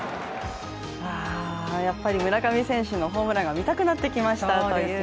やっぱり村上選手のホームランが見たくなってきました。